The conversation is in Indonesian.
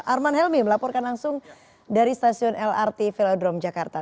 arman helmi melaporkan langsung dari stasiun lrt velodrome jakarta